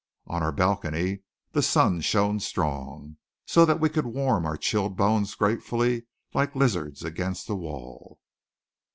On our balcony the sun shone strong; so that we could warm our chilled bones gratefully like lizards against a wall.